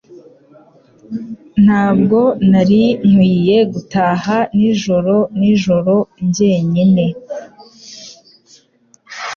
Ntabwo nari nkwiye gutaha nijoro nijoro jyenyine